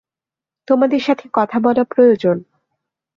তোমাদের সাথে কথা বলা প্রয়োজন।